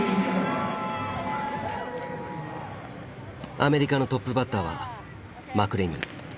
アメリカのトップバッターはマクレニー。